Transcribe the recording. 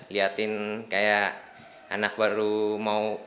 lihatin kayak anak baru mau